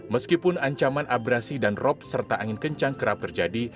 meskipun ancaman abrasi dan rop serta angin kencang kerap terjadi